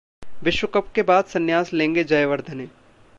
विश्वकप के बाद संन्यास लेंगे जयवर्धने!